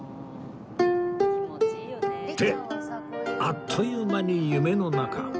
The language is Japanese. ってあっという間に夢の中